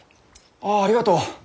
ああありがとう！